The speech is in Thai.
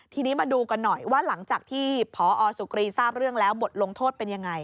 ทีนี้มาดูกันหน่อยว่าหลังจากที่พอสุกรีทราบเรื่องแล้วบทลงโทษเป็นยังไง